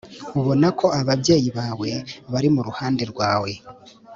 ubona ko ababyeyi bawe bari mu ruhande rwawe